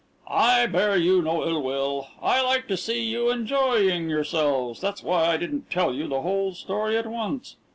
"I bear you no ill will. I like to see you enjoying yourselves. That's why I didn't tell you the whole story at once.